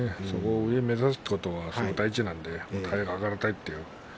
上を目指すということは大事なので上がりたいということ。